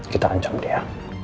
kita ancam dia